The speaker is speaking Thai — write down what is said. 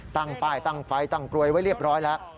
ตั้งป้ายตั้งไฟตั้งกลวยไว้เรียบร้อยแล้ว